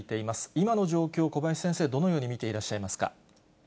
今の状況、小林先生、どのように見ていらっしゃいますか。